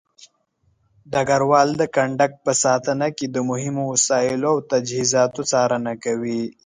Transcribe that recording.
ډګروال د کندک په ساتنه کې د مهمو وسایلو او تجهيزاتو څارنه کوي.